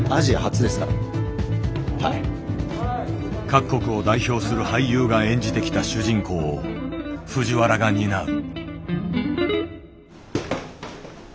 各国を代表する俳優が演じてきた主人公を藤原が担う。